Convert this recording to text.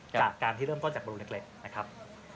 จากการที่เริ่มต้นจากบรูเล็กนะครับ